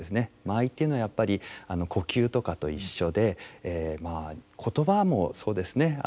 間合いというのはやっぱり呼吸とかと一緒でまあ言葉もそうですね。